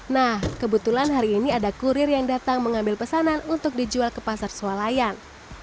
nah kebetulan hari ini ada kurir yang datang mengambil pesanan untuk dijual ke pasar sualayan